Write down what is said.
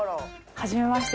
はじめまして。